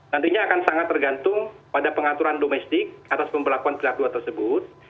nantinya akan sangat tergantung pada pengaturan domestik atas pemperlakuan pilar dua tersebut